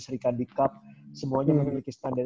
serikandi cup semuanya memiliki standar